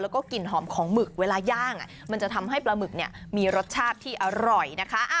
แล้วก็กลิ่นหอมของหมึกเวลาย่างมันจะทำให้ปลาหมึกมีรสชาติที่อร่อยนะคะ